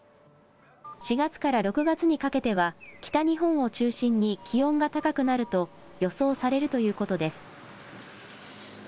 ４月から６月にかけては北日本を中心に気温が高くなると予想されるということです。